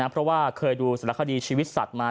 เพราะว่าเคยดูสารคดีชีวิตสัตว์มา